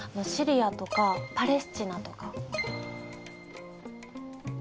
シリアとかパレスチナとか。